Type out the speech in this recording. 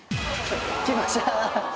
きました！